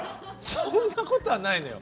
そんなことはないのよ。